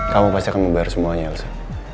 kamu pasti akan membayar semuanya usah